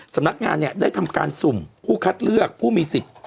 สำนักงานเนี่ยได้ทำการสุ่มผู้คัดเลือกผู้มีสิทธิ์